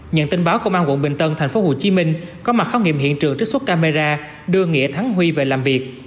nhận tin báo công an quận bình tân tp hcm có mặt khám nghiệm hiện trường trích xuất camera đưa nghĩa thắng huy về làm việc